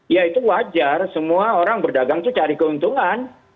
ya itu wajar semua orang berdagang itu cari keuntungan